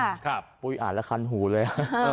อ่านแล้วคันหูเลย